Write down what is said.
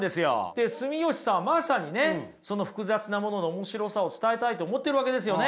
で住吉さんはまさにねその複雑なものの面白さを伝えたいと思ってるわけですよね。